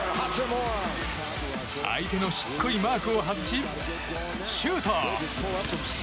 相手のしつこいマークを外しシュート！